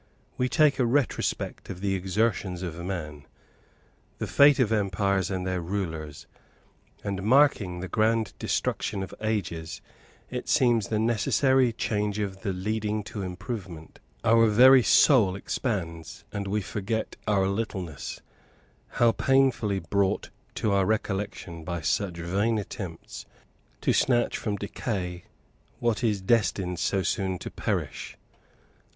We take a retrospect of the exertions of man, the fate of empires and their rulers, and marking the grand destruction of ages, it seems the necessary change of time leading to improvement. Our very soul expands, and we forget our littleness how painfully brought to our recollection by such vain attempts to snatch from decay what is destined so soon to perish.